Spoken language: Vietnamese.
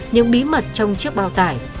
những bí mật trong chiếc bao tải